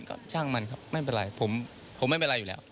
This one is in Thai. ก็ช่างมันครับไม่เป็นไรผมไม่เป็นไรอยู่แล้ว